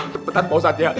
cepetan pak ustadz ya